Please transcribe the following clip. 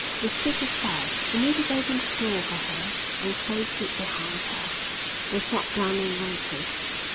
They stood aside. A native opened a door for her and closed it behind her. They sat down and waited.